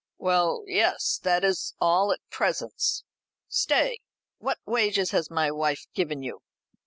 "Well, yes, that is all at present. Stay. What wages has my wife given you?"